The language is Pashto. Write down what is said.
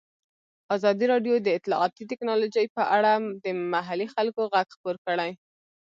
ازادي راډیو د اطلاعاتی تکنالوژي په اړه د محلي خلکو غږ خپور کړی.